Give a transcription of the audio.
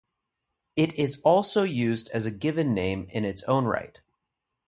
It is also used as a given name in its own right.